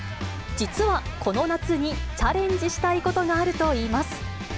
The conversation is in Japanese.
実はこの夏にチャレンジしたいことがあるといいます。